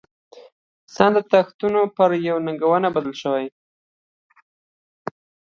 انسان تښتونه پر یوې ننګونې بدله شوه.